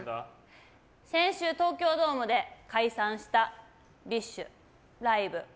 先週、東京ドームで解散したＢｉＳＨライブ。